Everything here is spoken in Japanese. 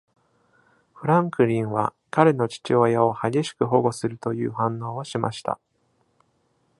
フランクリンは彼の父親を激しく保護するという反応をしました